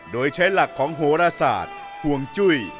โดยใช้หลักของโหรศาสตร์ห่วงจุ้ย